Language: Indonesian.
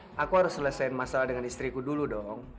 sorry sayang aku harus selesaikan masalah dengan istriku dulu dong